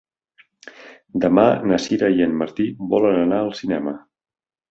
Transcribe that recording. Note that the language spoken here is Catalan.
Demà na Sira i en Martí volen anar al cinema.